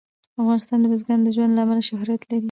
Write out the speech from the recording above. افغانستان د بزګانو د ژوند له امله شهرت لري.